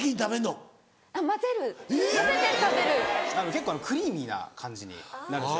結構クリーミーな感じになるんです